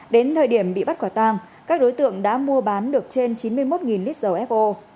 đến thời điểm bị bắt quả tang các đối tượng đã mua bán được trên chín mươi một lít dầu fo